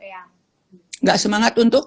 enggak semangat untuk